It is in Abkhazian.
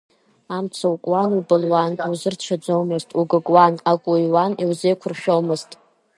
Амца укуан, убылуан, иузырцәаӡомызт, угәыкуан, ак уҩуан, иузеиқәыршәомызт.